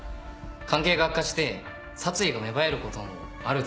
関係が悪化して殺意が芽生えることもあるでしょう。